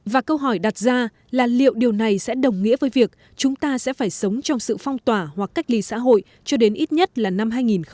và câu hỏi đặt ra là liệu điều này sẽ đồng nghĩa với việc chúng ta sẽ phải sống trong sự phong tỏa hoặc cách ly xã hội cho đến ít nhất là năm hai nghìn hai mươi